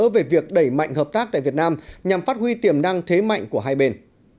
về việc đẩy mạnh hợp tác tại việt nam nhằm phát huy tiềm năng thế mạnh của hai bên